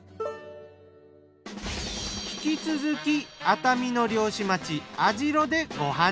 引き続き熱海の漁師町網代でご飯調査。